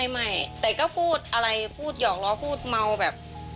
ไม่แต่ก็พูดอะไรพูดหยอกล้อพูดเมาแบบ